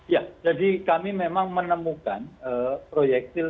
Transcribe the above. ya jadi kami memang menemukan proyektil